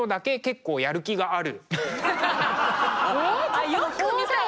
あっよく見たら。